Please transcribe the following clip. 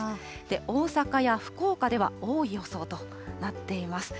大阪や福岡では多い予想となっています。